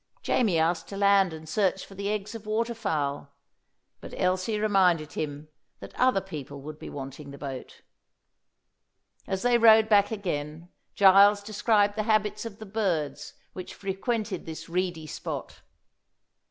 Jamie asked to land and search for the eggs of water fowl; but Elsie reminded him that other people would be wanting the boat. As they rowed back again, Giles described the habits of the birds which frequented this reedy spot.